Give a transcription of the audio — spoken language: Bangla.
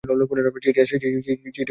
চিঠি আসে, চিঠি পড়ে ফেলে দিই।